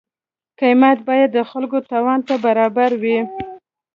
قیمت باید د خلکو توان ته برابر وي.